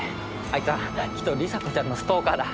あいつはきっと里紗子ちゃんのストーカーだ。